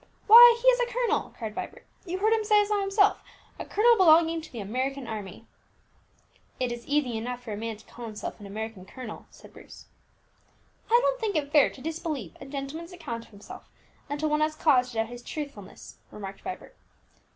"Why, he is a colonel," cried Vibert; "you heard him say so himself, a colonel belonging to the American army." "It is easy enough for a man to call himself an American colonel," said Bruce. "I don't think it fair to disbelieve a gentleman's account of himself until one has cause to doubt his truthfulness," remarked Vibert.